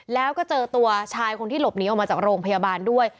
แล้วก็เจอตัวชายคนที่หลบหนีออกมาจากโรงพยาบาลด้วย